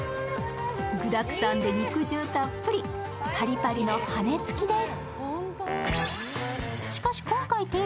具だくさんで肉汁たっぷり、パリパリの羽根つきです。